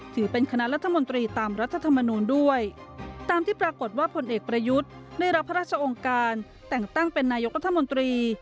ถือเป็นคณะรัฐมนตรีตามรัฐธรรมนูลด้วยตามที่ปรากฏว่าผลเอกประยุทธ์ได้รับพระราชองค์การแต่งตั้งเป็นนายกรัฐมนตรี